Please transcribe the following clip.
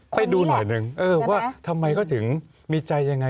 ไปดูหน่อยหนึ่งว่าทำไมเขาถึงมีใจยังไง